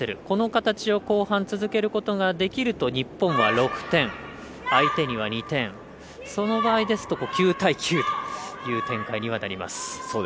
この形を後半、続けることができると日本は６点相手には２点、その場合ですと９対９という展開にはなります。